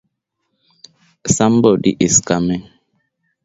It is the largest Imperial County development on the Salton coast.